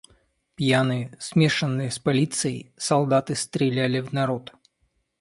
Пьяные, смешанные с полицией, солдаты стреляли в народ.